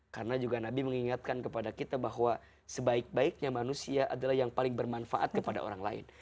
karena juga nabi mengingatkan kepada kita bahwa sebaik baiknya manusia adalah yang paling bermanfaat kepada orang lain